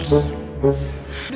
ini luigi masih bersih